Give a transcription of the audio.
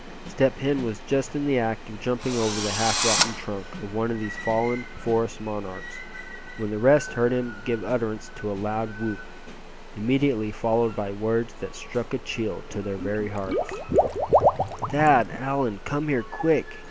Step Hen was just in the act of jumping over the half rotten trunk of one of these fallen forest monarchs, when the rest heard him give utterance to a loud whoop, immediately followed by words that struck a chill to their very hearts: "Thad! Allan! come here, quick!